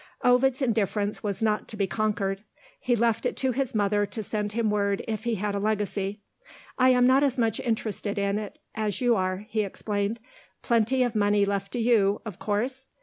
Ovid's indifference was not to be conquered. He left it to his mother to send him word if he had a legacy "I am not as much interested in it as you are," he explained. "Plenty of money left to you, of course?"